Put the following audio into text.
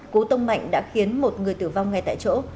cú tông mạnh đã khiến một người tử vong ngay tại chỗ